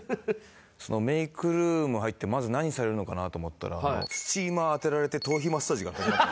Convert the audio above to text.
メイクルーム入ってまず何されるのかなと思ったらスチーマー当てられて頭皮マッサージがあったんですよ。